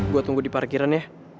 gue tunggu di parkiran ya